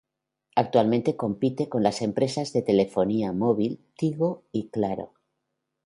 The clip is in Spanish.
Actualmente compite con las empresas de telefonía móvil Tigo y Claro.